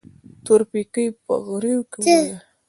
تورپيکۍ په غريو کې وويل.